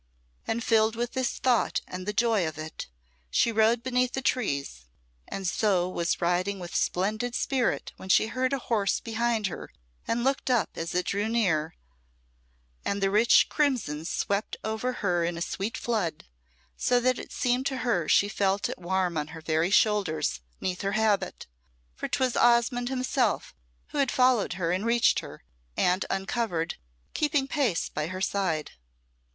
And filled with this thought and the joy of it, she rode beneath the trees, and so was riding with splendid spirit when she heard a horse behind her, and looked up as it drew near, and the rich crimson swept over her in a sweet flood, so that it seemed to her she felt it warm on her very shoulders, 'neath her habit, for 'twas Osmonde's self who had followed and reached her, and uncovered, keeping pace by her side.